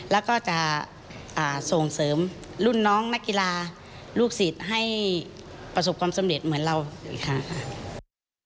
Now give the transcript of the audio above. แล้วก็จะส่งเสริมรุ่นน้องนักกีฬาลูกศิษย์ให้ประสบความสำเร็จเหมือนเราอีกครั้งค่ะ